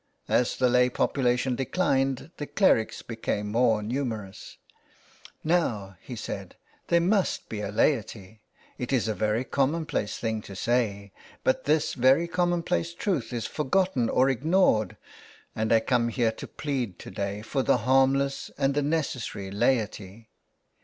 As the lay population declined the clerics became more numerous. '' Now/' he said, " there must be a laity. It is a very commonplace thing to say, but this very common place truth is forgotten or ignored, and I come here to plead to day for the harmless and the necessary laity."